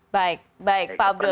baik pak abdullah